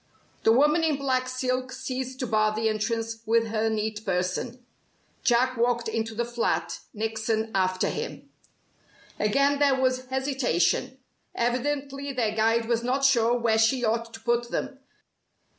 The woman in black silk ceased to bar the entrance with her neat person. Jack walked into the flat, Nickson after him. Again there was hesitation. Evidently their guide was not sure where she ought to put them.